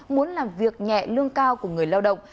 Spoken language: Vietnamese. muốn làm việc nhẹ lương cao của người lao động